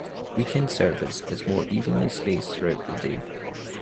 Weekend service is more evenly spaced throughout the day.